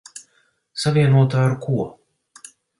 Savienota ar ko?